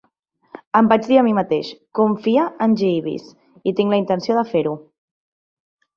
Em vaig dir a mi mateix "Confia en Jeeves" i tinc la intenció de fer-ho.